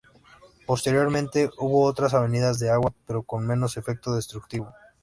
Posteriormente hubo otras avenidas de agua pero con menos efecto destructivo.